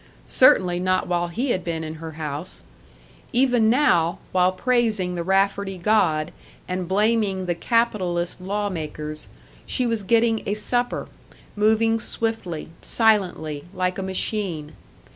Certainly not while he had been in her house! Even now, while praising the Rafferty God and blaming the capitalist law makers, she was getting a supper, moving swiftly, silently, like a machine.